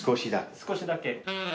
少しだけ。